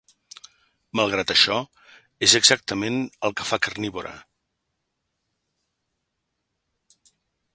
Malgrat això, és exactament el que fa Carnivore.